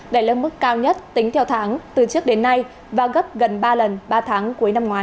đẩy lên mức cao nhất tính theo tháng từ trước đến nay và gấp gần ba lần ba tháng cuối năm ngoái